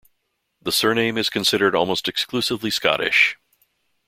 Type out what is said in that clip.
The surname is considered almost exclusively Scottish.